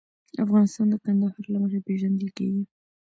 افغانستان د کندهار له مخې پېژندل کېږي.